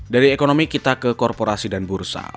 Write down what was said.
dari ekonomi kita ke korporasi dan bursa